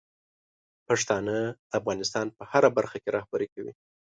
پښتانه د افغانستان په هره برخه کې رهبري کوي.